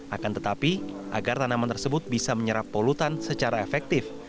akan tetapi agar tanaman tersebut bisa menyerap polutan secara efektif